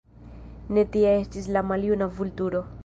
Ne tia estis la maljuna Vulturo.